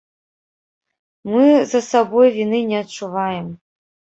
Мы за сабой віны не адчуваем.